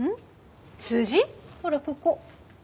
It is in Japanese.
ほらここ。